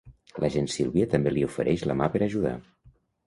L'agent Sylvia també li ofereix la mà per ajudar.